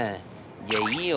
じゃあいいよ』。